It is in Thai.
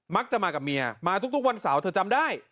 มักจะมากับเมียมาทุกวันเสาร์เธอจำได้